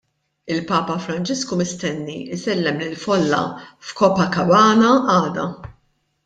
Il-Papa Franġisku mistenni jsellem lill-folla f'Copacabana għada.